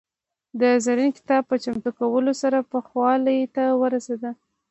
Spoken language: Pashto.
د زرین کتاب په چمتو کولو سره پوخوالي ته ورسېد.